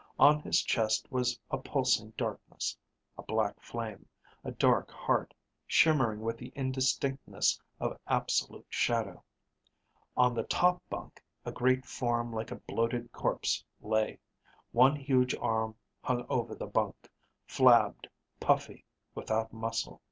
On his chest was a pulsing darkness, a black flame, a dark heart, shimmering with the indistinctness of absolute shadow. On the top bunk a great form like a bloated corpse lay. One huge arm hung over the bunk, flabbed, puffy, without muscle.